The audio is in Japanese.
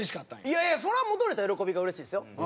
いやいやそれは戻れた喜びが嬉しいですよ。